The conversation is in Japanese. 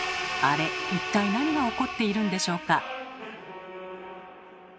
あれ一体なにがおこっているんでしょうか？